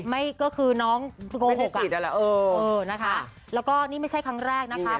ไม่ก็คือน้องโกหกอ่ะแหละเออนะคะแล้วก็นี่ไม่ใช่ครั้งแรกนะคะ